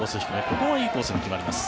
ここもいいコースに決まります。